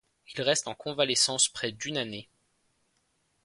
Il reste en convalescence pendant près d'une année.